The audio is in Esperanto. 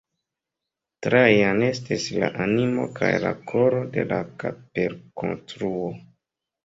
Trajan estis la animo kaj la koro de la kapelkonstruo.